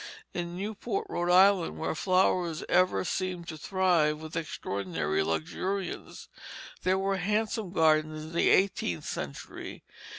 In Newport, Rhode Island, where flowers ever seem to thrive with extraordinary luxuriance, there were handsome gardens in the eighteenth century.